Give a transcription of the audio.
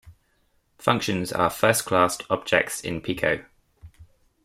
Functions are first-class objects in Pico.